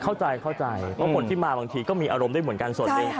เข้าใจเพราะคนที่มาบางทีก็มีอารมณ์ได้เหมือนกันสด